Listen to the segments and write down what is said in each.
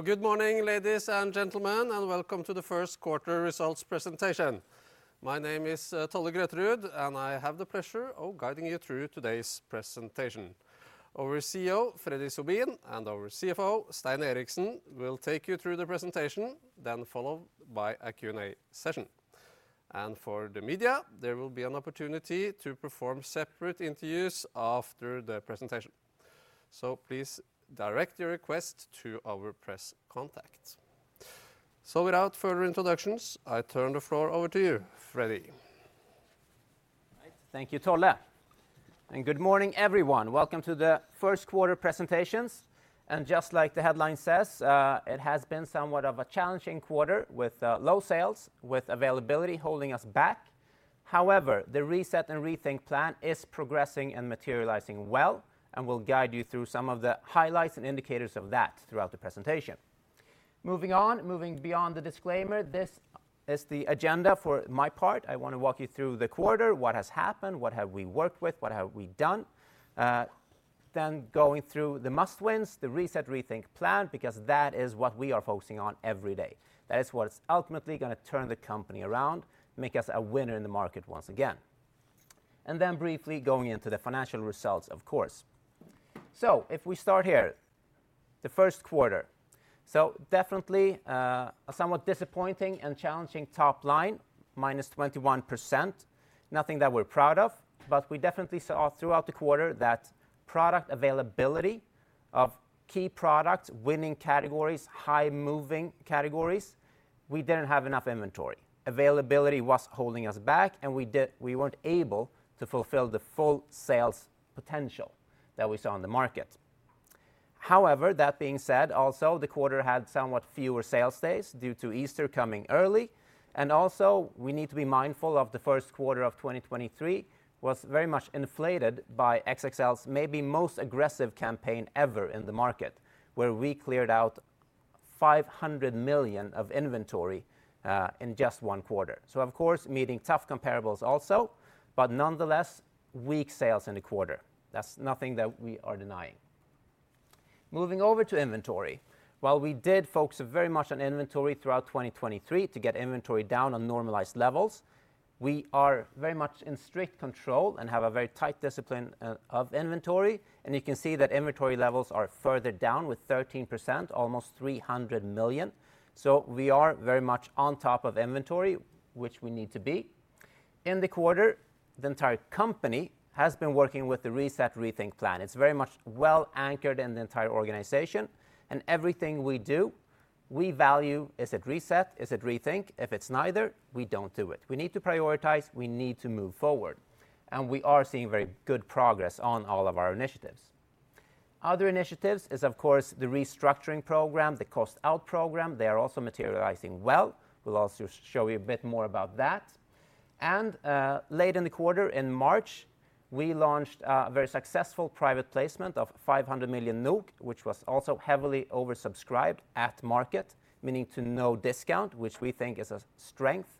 Good morning, ladies and gentlemen, and welcome to the first quarter results presentation. My name is Tolle Grøterud, and I have the pleasure of guiding you through today's presentation. Our CEO, Freddy Sobin, and our CFO, Stein Eriksen, will take you through the presentation, then followed by a Q&A session. For the media, there will be an opportunity to perform separate interviews after the presentation. Please direct your request to our press contact. Without further introductions, I turn the floor over to you, Freddy. Thank you, Tolle. Good morning, everyone. Welcome to the first quarter presentations, and just like the headline says, it has been somewhat of a challenging quarter with low sales, with availability holding us back. However, the Reset & Rethink plan is progressing and materializing well and will guide you through some of the highlights and indicators of that throughout the presentation. Moving on, moving beyond the disclaimer, this is the agenda for my part. I want to walk you through the quarter, what has happened, what we worked with, what have we done? Then, going through the must-wins, the Reset & Rethink plan, because that is what we are focusing on every day. That is what is ultimately gonna turn the company around, make us a winner in the market once again. Then, briefly going into the financial results, of course. So if we start here, the first quarter. So definitely, a somewhat disappointing and challenging top line, -21%. Nothing that we're proud of, but we definitely saw throughout the quarter that product availability of key products, winning categories, high moving categories, we didn't have enough inventory. Availability was holding us back, and we weren't able to fulfill the full sales potential that we saw on the market. However, that being said, the quarter had somewhat fewer sales days due to Easter coming early. And also, we need to be mindful of the first quarter of 2023 was very much inflated by XXL's maybe most aggressive campaign ever in the market, where we cleared out 500 million of inventory in just one quarter. So, of course, meeting tough comparables, but nonetheless, weak sales in the quarter. That's nothing that we are denying. Moving over to inventory. While we did focus very much on inventory throughout 2023 to get inventory down to normalized levels, we are very much in strict control and have a very tight discipline of, of inventory. You can see that inventory levels are further down with 13%, almost 300 million. So we are very much on top of inventory, which we need to be. In the quarter, the entire company has been working with the Reset & Rethink plan. It's very much well-anchored in the entire organization, and everything we do, we value, is it reset, is it rethink? If it's neither, we don't do it. We need to prioritize, we need to move forward, and we are seeing very good progress on all of our initiatives. Other initiatives are, of course, the restructuring program and the cost-out program. They are also materializing well. We'll also show you a bit more about that. And late in the quarter, in March, we launched a very successful private placement of 500 million NOK, which was also heavily oversubscribed at market, meaning to no discount, which we think is a strength.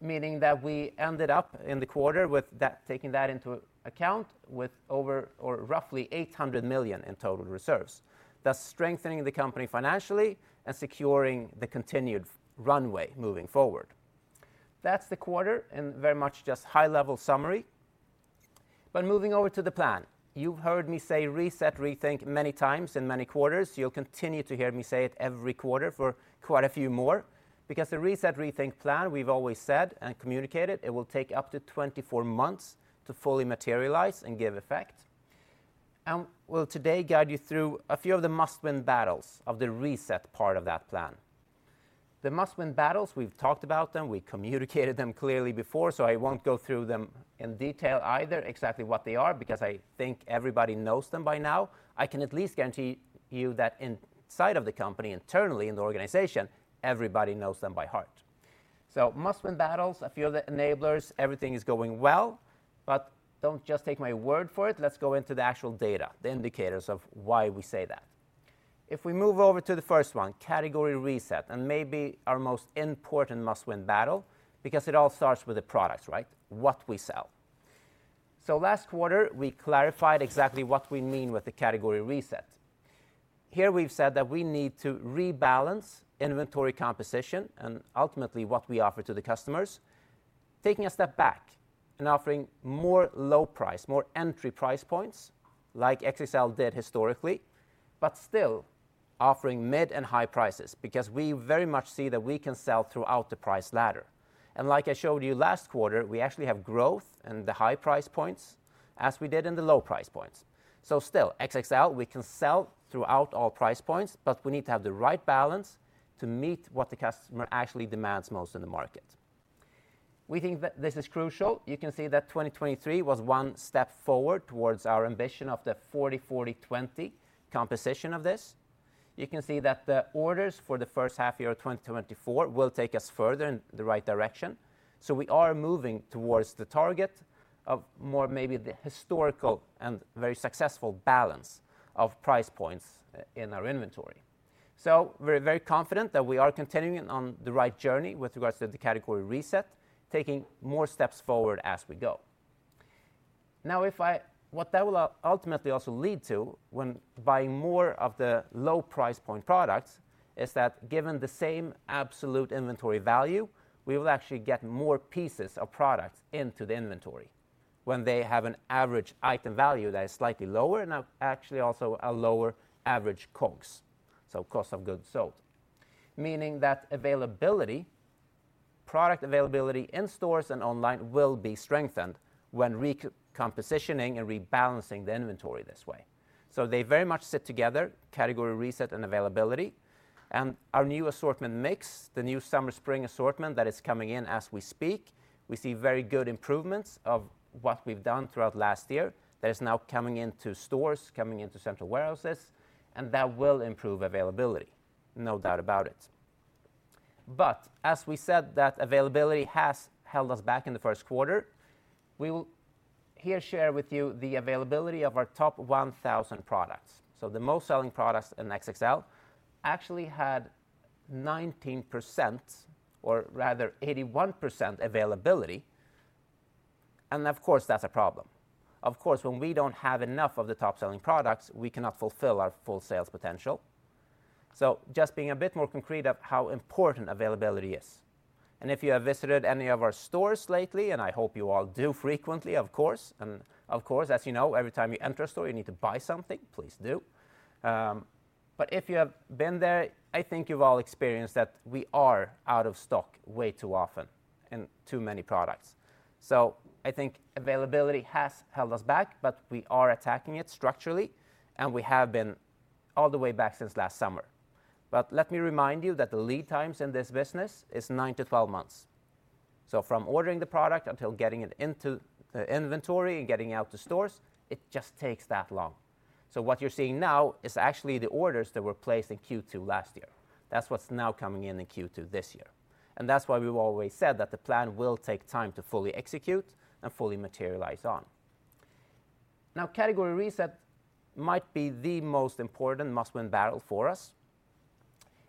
Meaning that we ended up in the quarter with that, taking that into account, with over or roughly 800 million in total reserves, thus strengthening the company financially and securing the continued runway moving forward. That's the quarter, and very much just a high-level summary. But moving over to the plan, you've heard me say reset, rethink many times in many quarters. You'll continue to hear me say it every quarter for quite a few more, because the Reset & Rethink plan, we've always said and communicated, it will take up to 24 months to fully materialize and give effect. We'll guide you through a few of the must-win battles of the reset part of that plan. The must-win battles, we've talked about them, we communicated them clearly before, so I won't go through them in detail either, exactly what they are, because I think everybody knows them by now. I can at least guarantee you that inside of the company, internally in the organization, everybody knows them by heart. Must-win battles, a few of the enablers, everything is going well, but don't just take my word for it. Let's go into the actual data, the indicators of why we say that. If we move over to the first one, Category Reset, and maybe our most important must-win battle, because it all starts with the products, right? What we sell. Last quarter, we clarified exactly what we mean by the Category Reset. Here, we've said that we need to rebalance inventory composition and ultimately what we offer to the customers, taking a step back and offering more low price, more entry price points, as XXL did historically, but still offering mid and high prices, because we very much see that we can sell throughout the price ladder. As I showed you last quarter, we actually have growth in the high price points, as we did in the low price points. Still, XXL, we can sell throughout all price points, but we need to have the right balance to meet what the customer actually demands most in the market. We think that this is crucial. You can see that 2023 was one step forward towards our ambition of the 40, 40, 20 composition of this. You can see that the orders for the first half of 2024 will take us further in the right direction. So we are moving towards the target of more, maybe the historical and very successful balance of price points in our inventory. So we're very confident that we are continuing on the right journey with regards to the Category Reset, taking more steps forward as we go. Now, what that will ultimately also lead to when buying more of the low price point products, is that given the same absolute inventory value, we will actually get more pieces of product into the inventory when they have an average item value that is slightly lower and actually also a lower average COGS, so cost of goods sold. Meaning that availability, product availability in stores and online, will be strengthened when repositioning and rebalancing the inventory this way. So they very much sit together, Category Reset, and availability. And our new assortment mix, the new summer/spring assortment that is coming in as we speak, we see very good improvements of what we've done throughout last year. That is now coming into stores, coming into central warehouses, and that will improve availability, no doubt about it. But as we said, that availability has held us back in the first quarter. We will share with you the availability of our top 1,000 products. So the most selling products in XXL actually had 19%, or rather 81% availability, and of course, that's a problem. Of course, when we don't have enough of the top-selling products, we cannot fulfill our full sales potential. So just being a bit more concrete of how important availability is, and if you have visited any of our stores lately, and I hope you all do frequently, of course, and of course, as you know, every time you enter a store, you need to buy something, please do. But if you have been there, I think you've all experienced that we are out of stock way too often in too many products. So I think availability has held us back, but we are attacking it structurally, and we have been all the way back since last summer. But let me remind you that the lead times in this business are 9-12 months. So, from ordering the product until getting it into the inventory and getting out to stores, it just takes that long. So what you're seeing now is actually the orders that were placed in Q2 last year. That's what's now coming in in Q2 this year, and that's why we've always said that the plan will take time to fully execute and fully materialize on. Now, Category Reset might be the most important must-win battle for us,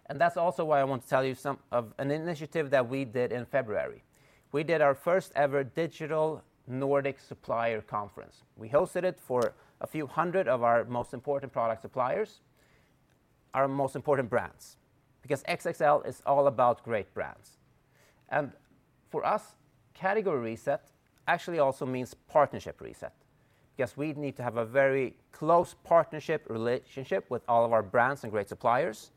and that's also why I want to tell you some of an initiative that we did in February. We did our first-ever digital Nordic Supplier Conference. We hosted it for a few hundred of our most important product suppliers, our most important brands, because XXL is all about great brands. And for us, Category Reset actually also means partnership reset, because we need to have a very close partnership relationship with all of our brands and great suppliers.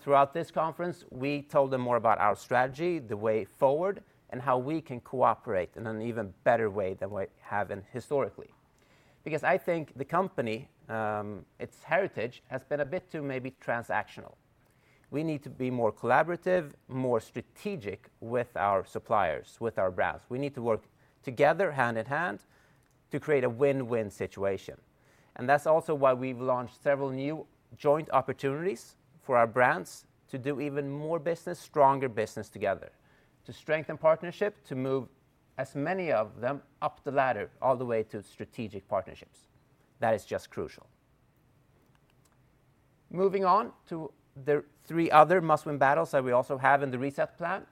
Throughout this conference, we told them more about our strategy, the way forward, and how we can cooperate in an even better way than we have historically. Because I think the company, its heritage, has been a bit too maybe transactional. We need to be more collaborative, more strategic with our suppliers, with our brands. We need to work together hand in hand to create a win-win situation. And that's also why we've launched several new joint opportunities for our brands to do even more business, stronger business together, to strengthen the partnership, to move as many of them up the ladder, all the way to strategic partnerships. That is just crucial. Moving on to the three other must-win battles that we also have in the reset plan.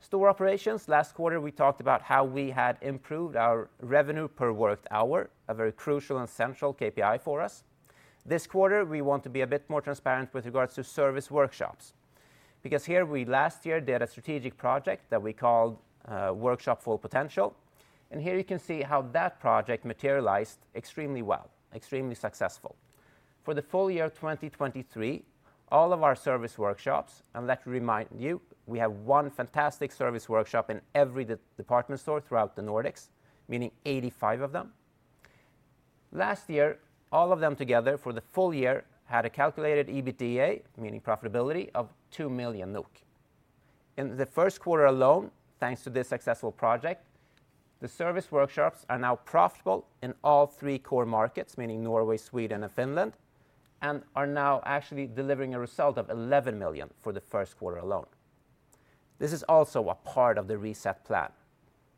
Store operations. Last quarter, we talked about how we had improved our revenue per worked hour, a very crucial and central KPI for us. This quarter, we want to be a bit more transparent with regard to service workshops, because here we last year did a strategic project that we called Workshop Full Potential, and here you can see how that project materialized extremely well, extremely successful. For the full year of 2023, all of our service workshops, and let me remind you, we have one fantastic service workshop in every department store throughout the Nordics, meaning 85 of them. Last year, all of them together for the full year, had a calculated EBITDA, meaning profitability, of 2 million. In the first quarter alone, thanks to this successful project, the service workshops are now profitable in all three core markets, meaning Norway, Sweden, and Finland, and are now actually delivering a result of 11 million for the first quarter alone. This is also a part of the reset plan,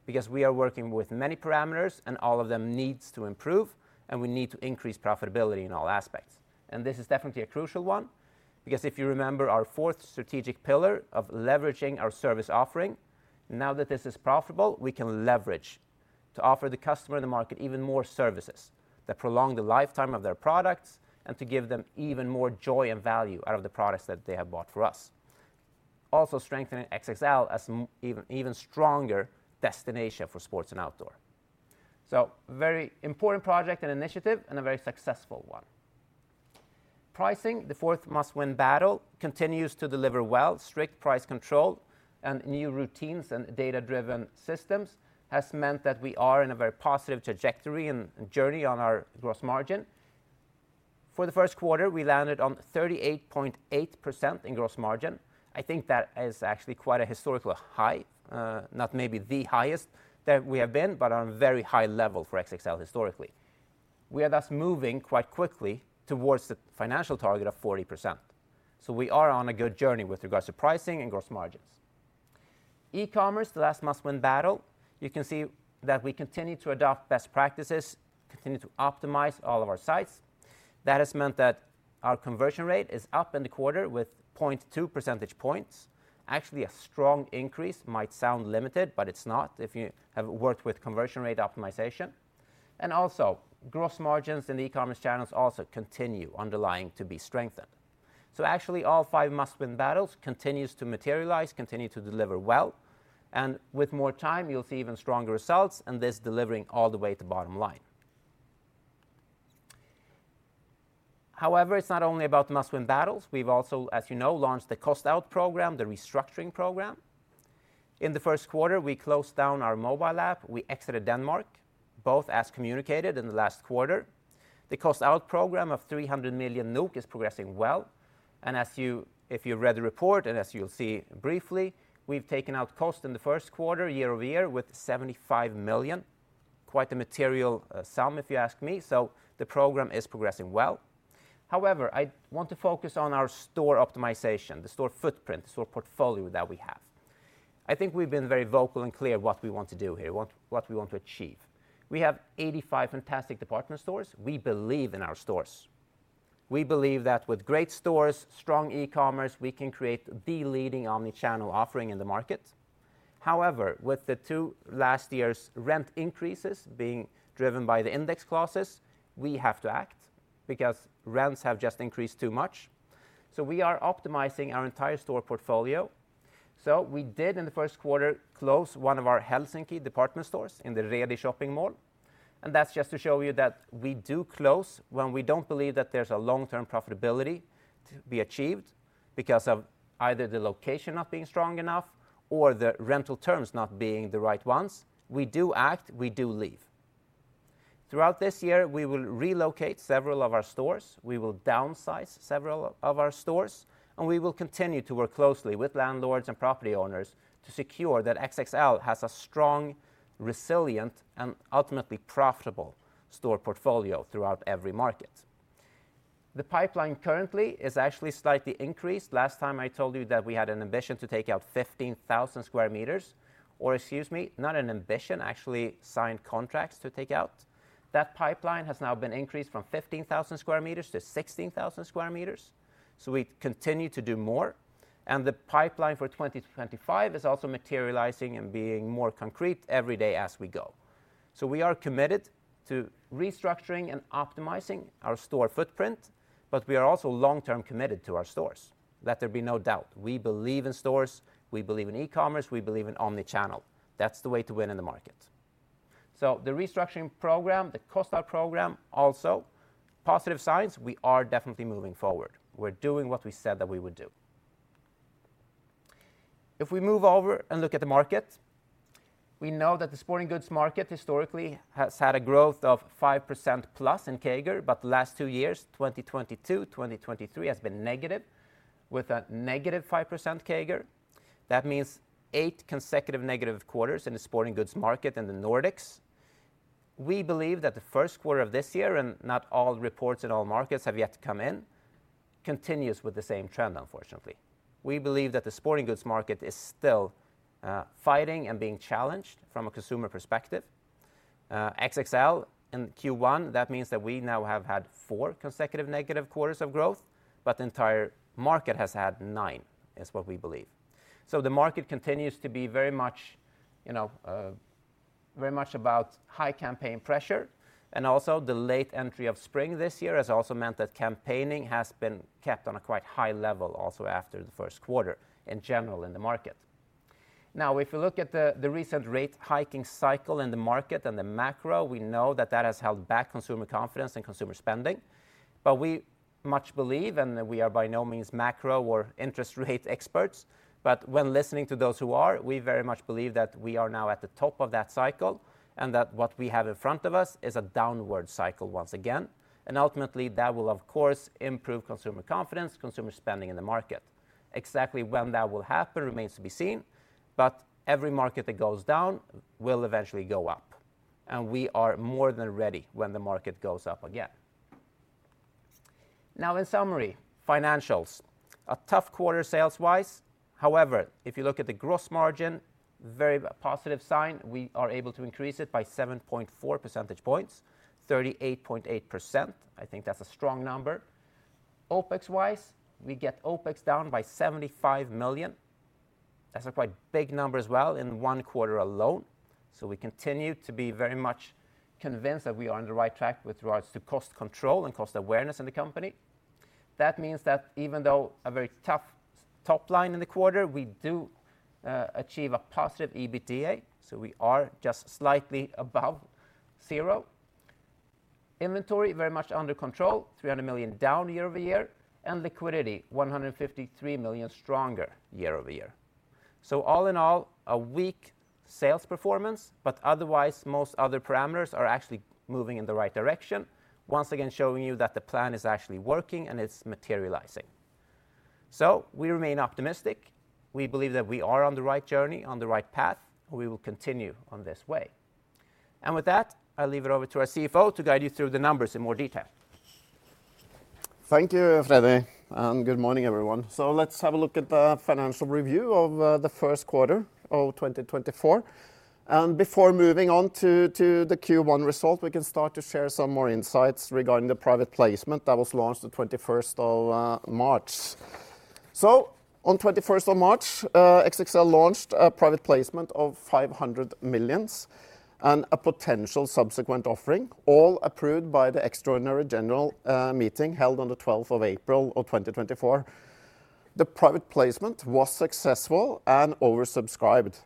because we are working with many parameters, and all of them need to improve, and we need to increase profitability in all aspects. And this is definitely a crucial one, because if you remember our fourth strategic pillar of leveraging our service offering, now that this is profitable, we can leverage to offer the customer in the market even more services that prolong the lifetime of their products and to give them even more joy and value out of the products that they have bought for us. Also strengthening XXL as even even stronger destination for sports and outdoor. So very important project and initiative, and a very successful one. Pricing, the fourth must-win battle, continues to deliver well. Strict price control and new routines and data-driven systems have meant that we are in a very positive trajectory and journey on our gross margin. For the first quarter, we landed on 38.8% in gross margin. I think that is actually quite a historical high, not maybe the highest that we have been, but on a very high level for XXL historically. We are thus moving quite quickly towards the financial target of 40%. So we are on a good journey with regards to pricing and gross margins. E-commerce, the last must-win battle, you can see that we continue to adopt best practices, continue to optimize all of our sites... That has meant that our conversion rate is up in the quarter by 0.2 percentage points. Actually, a strong increase might sound limited, but it's not if you have worked with conversion rate optimization. And also, gross margins in the e-commerce channels also continue underlying to be strengthened. So actually, all five must-win battles continue to materialize, continue to deliver well, and with more time, you'll see even stronger results, and this delivering all the way to the bottom line. However, it's not only about the must-win battles, we've also, as you know, launched the cost-out program, the restructuring program. In the first quarter, we closed down our mobile app we exited Denmark, both as communicated in the last quarter. The cost-out program of 300 million NOK is progressing well, and as you, if you read the report, and as you'll see briefly, we've taken out costs in the first quarter, year-over-year, with 75 million. Quite a material sum, if you ask me, so the program is progressing well. However, I want to focus on our store optimization, the store footprint, and the store portfolio that we have. I think we've been very vocal and clear what we want to do here, what we want to achieve. We have 85 fantastic department stores. We believe in our stores. We believe that with great stores and strong e-commerce, we can create the leading omni-channel offering in the market. However, with the two last year's rent increases being driven by the index clauses, we have to act, because rents have just increased too much. We are optimizing our entire store portfolio. We did, in the first quarter, close one of our Helsinki department stores in the REDI Shopping Mall, and that's just to show you that we do close when we don't believe that there's a long-term profitability to be achieved, because of either the location not being strong enough or the rental terms not being the right ones. We do act, we do leave. Throughout this year, we will relocate several of our stores, we will downsize several of our stores, and we will continue to work closely with landlords and property owners to secure that XXL has a strong, resilient, and ultimately profitable store portfolio throughout every market. The pipeline is actually slightly increased. Last time I told you that we had an ambition to take out 15,000 sq m, or excuse me, not an ambition, actually signed contracts to take out. That pipeline has now been increased from 15,000 sq m to 16,000 sq m, so we continue to do more, and the pipeline for 2025 is also materializing and becoming more concrete every day as we go. So we are committed to restructuring and optimizing our store footprint, but we are also long-term committed to our stores. Let there be no doubt, we believe in stores, we believe in e-commerce, we believe in omnichannel. That's the way to win in the market. So the restructuring program, the cost-out program, also has positive signs; we are definitely moving forward. We're doing what we said that we would do. If we move over and look at the market, we know that the sporting goods market historically has had a growth of 5%+ in CAGR, but the last two years, 2022, 2023, has been negative, with a -5% CAGR. That means eight consecutive negative quarters in the sporting goods market in the Nordics. We believe that the first quarter of this year, and not all reports in all markets have yet to come in, will continue with the same trend, unfortunately. We believe that the sporting goods market is still fighting and being challenged from a consumer perspective. XXL, in Q1, that means that we now have had four consecutive negative quarters of growth, but the entire market has had nine, is what we believe. So the market continues to be very much, you know, very much about high campaign pressure, and also the late entry of spring this year has also meant that campaigning has been kept on a quite high level, also after the first quarter in general in the market. Now, if you look at the recent rate hiking cycle in the market and the macro, we know that it has held back consumer confidence and consumer spending. But we must believe, and we are by no means macro or interest rate experts, but when listening to those who are, we very much believe that we are now at the top of that cycle, and that what we have in front of us is a downward cycle once again. And ultimately, that will, of course, improve consumer confidence and consumer spending in the market. Exactly when that will happen remains to be seen, but every market that goes down will eventually go up, and we are more than ready when the market goes up again. Now, in summary, financials. A tough quarter sales-wise. However, if you look at the gross margin, very positive sign, we are able to increase it by 7.4 percentage points, 38.8%. I think that's a strong number. OpEx-wise, we get OpEx down by 75 million. That's quite a big number as well in one quarter alone. So we continue to be very much convinced that we are on the right track with regard to cost control and cost awareness in the company. That means that even though a very tough top line in the quarter, we do achieve a positive EBITDA, so we are just slightly above zero. Inventory, very much under control, 300 million down year-over-year, and liquidity, 153 million stronger year-over-year. So all in all, a weak sales performance, but otherwise, most other parameters are actually moving in the right direction, once again, showing you that the plan is actually working and it's materializing. So we remain optimistic. We believe that we are on the right journey, on the right path, and we will continue on this way. And with that, I'll leave it over to our CFO to guide you through the numbers in more detail. Thank you, Freddy, and good morning, everyone. So let's have a look at the financial review of the first quarter of 2024. And before moving on to the Q1 result, we can start to share some more insights regarding the private placement that was launched on March 21st. So on March 21st, XXL launched a private placement of 500 million and a potential subsequent offering, all approved by the extraordinary general meeting held on April 12th, 2024. The private placement was successful and oversubscribed.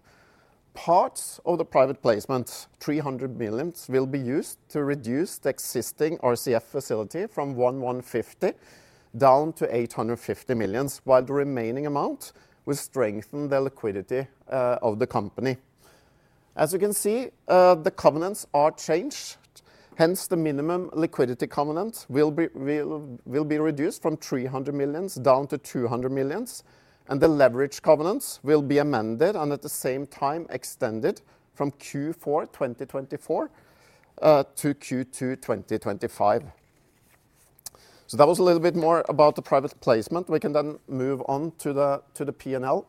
Parts of the private placement, 300 million, will be used to reduce the existing RCF facility from 1,150 million down to 850 million, while the remaining amount will strengthen the liquidity of the company. As you can see, the covenants have changed. Hence, the minimum liquidity covenant will be reduced from 300 million to 200 million, and the leverage covenants will be amended and at the same time, extended from Q4 2024 to Q2 2025. So that was a little bit more about the private placement. We can then move on to the P&L,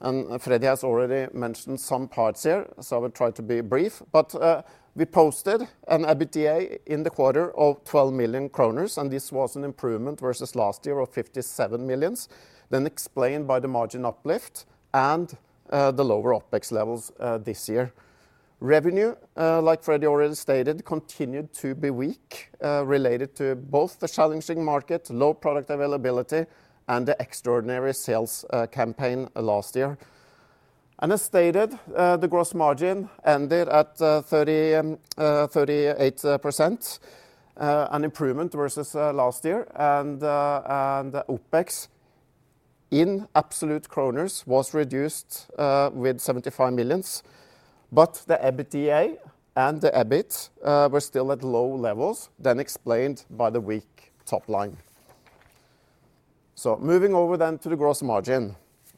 and Freddy has already mentioned some parts here, so I will try to be brief. But we posted an EBITDA in the quarter of 12 million kroner, and this was an improvement versus last year of 57 million, then explained by the margin uplift and the lower OpEx levels this year. Revenue, like Freddy already stated, continued to be weak, related to both the challenging market, low product availability, and the extraordinary sales campaign last year. As stated, the gross margin ended at 38%, an improvement versus last year, and the OpEx in absolute kroners was reduced by 75 million. The EBITDA and the EBIT were still at low levels, then explained by the weak top line. Moving over then to the gross margin.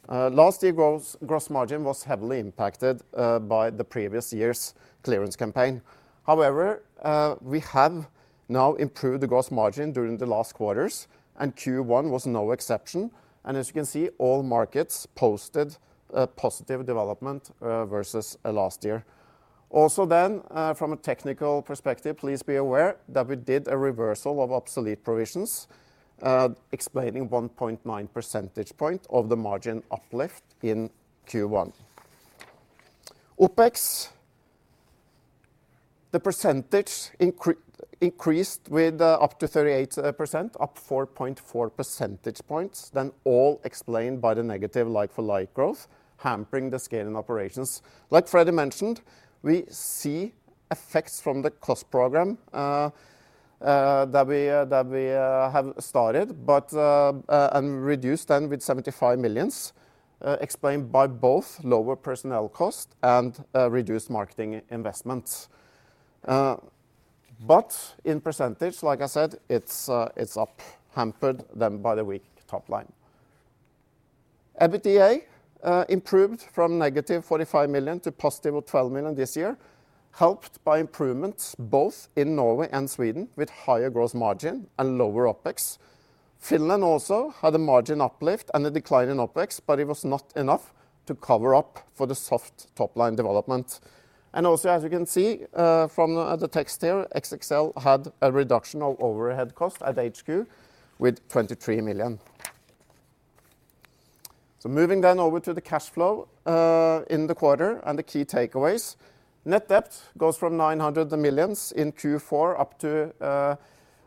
Last year, gross margin was heavily impacted by the previous year's clearance campaign. However, we have now improved the gross margin during the last quarter, and Q1 was no exception. As you can see, all markets posted a positive development versus last year. Also, from a technical perspective, please be aware that we did a reversal of obsolete provisions, explaining 1.9 percentage points of the margin uplift in Q1. OpEx, the percentage increased up to 38%, up 4.4 percentage points, then all explained by the negative like-for-like growth, hampering the scale in operations. As Freddy mentioned, we see effects from the cost program that we have started, but and reduced then with 75 million, explained by both lower personnel costs and reduced marketing investments. But in percentage, as I said, it's up, hampered then by the weak top line. EBITDA improved from negative 45 million to positive 12 million this year, helped by improvements both in Norway and Sweden, with a higher gross margin and lower OpEx. Finland also had a margin uplift and a decline in OpEx, but it was not enough to cover up for the soft top-line development. Also, as you can see from the text here, XXL had a reduction of overhead cost at HQ with 23 million. Moving then over to the cash flow in the quarter and the key takeaways. Net debt goes from 900 million in Q4 up to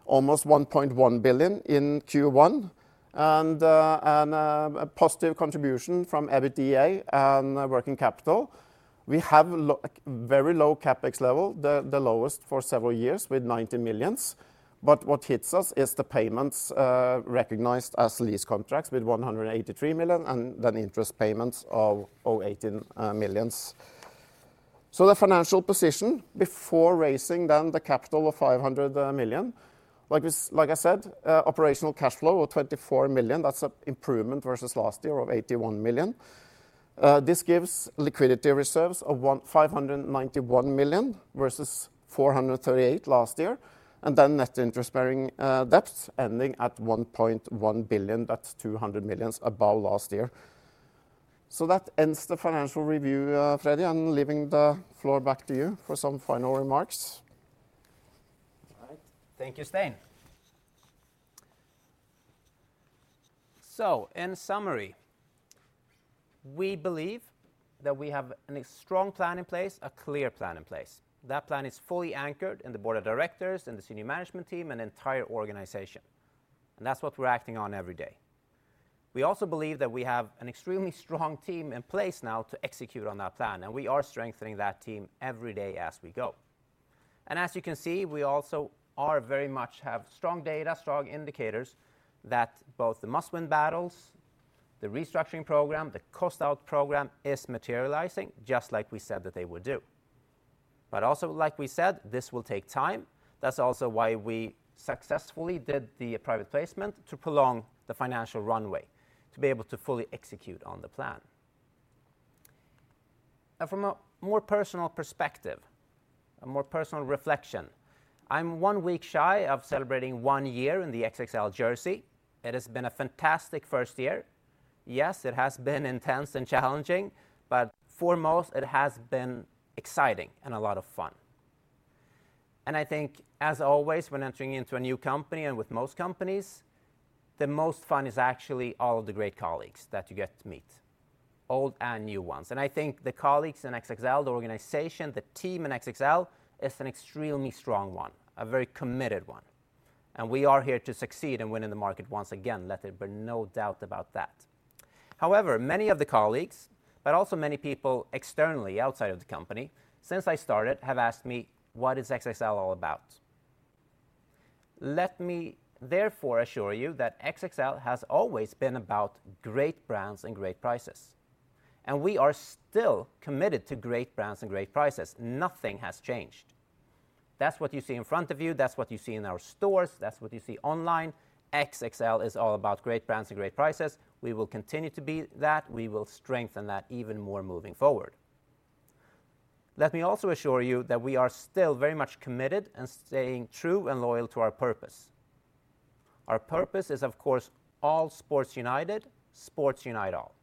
almost 1.1 billion in Q1, with a positive contribution from EBITDA and working capital. We have a very low CapEx level, the lowest for several years, with 90 million. But what hits us is the payments recognized as lease contracts with 183 million, and then interest payments of 18 million. So the financial position before raising the capital of 500 million, like we Like I said, operational cash flow of 24 million, that's an improvement versus last year of 81 million. This gives liquidity reserves of 1,591 million versus 438 million last year, and then net interest-bearing debt ending at 1.1 billion, that's 200 million above last year. So that ends the financial review, Freddy. I'm leaving the floor back to you for some final remarks. All right. Thank you, Stein. So, in summary, we believe that we have a strong plan in place, a clear plan in place. That plan is fully anchored in the board of directors, the senior management team, and the entire organization, and that's what we're acting on every day. We also believe that we have an extremely strong team in place now to execute on that plan, and we are strengthening that team every day as we go. And as you can see, we also have very strong data, strong indicators, that both the must-win battles, the restructuring program, and the cost-out program are materializing, just like we said they would do. But also, as we said, this will take time. That's also why we successfully did the private placement to prolong the financial runway, to be able to fully execute on the plan. From a more personal perspective, a more personal reflection, I'm one week shy of celebrating one year in the XXL jersey. It has been a fantastic first year. Yes, it has been intense and challenging, but foremost, it has been exciting and a lot of fun. And I think, as always, when entering into a new company, and with most companies, the most fun is actually all of the great colleagues that you get to meet, old and new ones. And I think the colleagues in XXL, the organization, the team in XXL, is an extremely strong one, a very committed one, and we are here to succeed in winning the market once again, let there be no doubt about that. However, many of the colleagues, but also many people externally, outside of the company, since I started, have asked me, "What is XXL all about?" Let me therefore assure you that XXL has always been about great brands and great prices, and we are still committed to great brands and great prices. Nothing has changed. That's what you see in front of you. That's what you see in our stores. That's what you see online. XXL is all about great brands and great prices. We will continue to be that. We will strengthen that even more moving forward. Let me also assure you that we are still very much committed and staying true and loyal to our purpose. Our purpose is, of course, all sports united, sports unite all.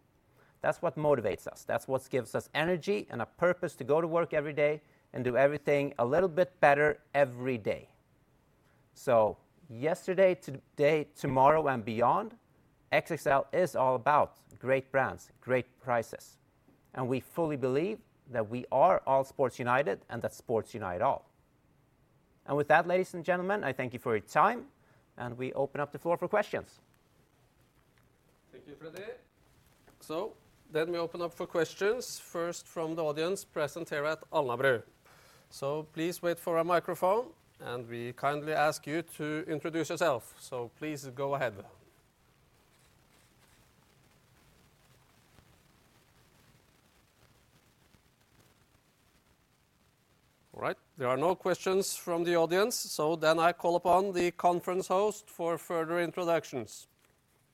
That's what motivates us. That's what gives us energy and a purpose to go to work every day and do everything a little bit better every day. So yesterday, today, tomorrow, and beyond, XXL is all about great brands, great prices, and we fully believe that we are all sports united and that sports unite all. And with that, ladies and gentlemen, I thank you for your time, and we open up the floor for questions. Thank you, Freddy. So let me open up for questions, first from the audience present here at Alnabru. So please wait for a microphone, and we kindly ask you to introduce yourself. So please go ahead. All right. There are no questions from the audience, so I call upon the conference host for further introductions.